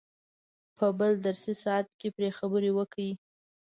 په بل درسي ساعت کې پرې خبرې وکړئ.